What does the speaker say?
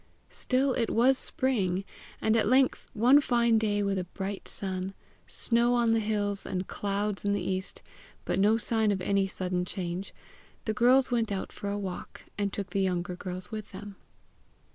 Still it was spring, and at length, one fine day with a bright sun, snow on the hills, and clouds in the east, but no sign of any sudden change, the girls went out for a walk, and took the younger girls with them.